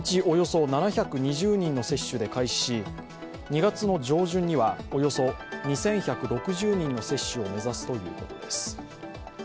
およそ７２０人の接種で開始し２月上旬にはおよそ２１６０人の接種を目指すということです。